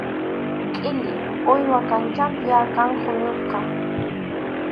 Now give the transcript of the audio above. Qhilli, uywa kanchapi akan huñusqa.